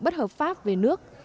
bất hợp pháp về nước